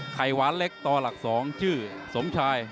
ไข่หวานเล็กต่อหลัก๒ชื่อสมชาย